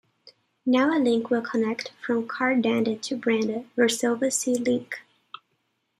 Now a link will connect from Khar Danda to Bandra - Versova Sea Link.